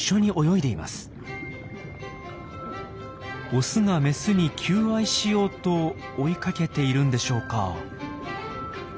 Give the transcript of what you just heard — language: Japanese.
オスがメスに求愛しようと追いかけているんでしょうか。